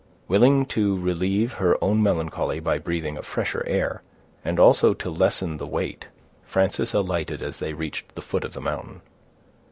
Willing to relieve her own melancholy by breathing a fresher air, and also to lessen the weight, Frances alighted as they reached the foot of the mountain.